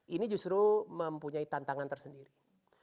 ini justru mempunyai tantangan tersendiri